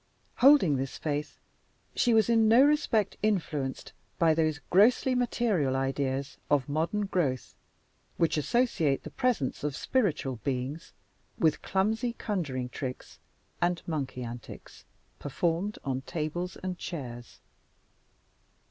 Holding this faith, she was in no respect influenced by those grossly material ideas of modern growth which associate the presence of spiritual beings with clumsy conjuring tricks and monkey antics performed on tables and chairs.